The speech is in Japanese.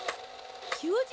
きゅうじ